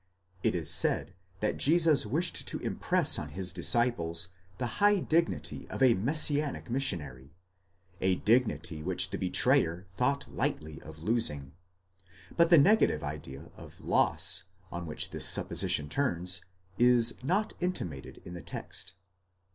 It is said that Jesus wished to impress on his disciples the high dignity of a messianic missionary, a dignity which the betrayer thought lightly of losing ;° but the negative idea of loss, on which this supposition turns, is not intimated in the text.